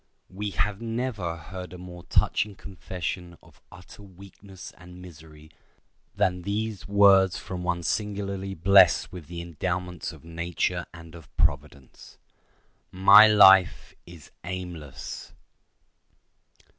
We have never heard a more touching confession of utter weakness and misery than these words from one singularly blessed with the endowments of nature and of Providence: "My life is aimless."